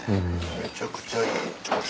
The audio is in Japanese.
めちゃくちゃいい朝食。